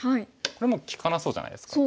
これもう利かなそうじゃないですか。